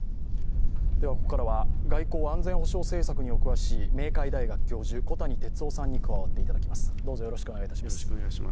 ここからは外交・安全保障政策にお詳しい明海大学教授、小谷哲男さんに加わっていただきます。